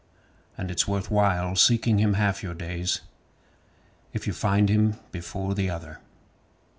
And it's worth while seeking him half your days If you find him before the other.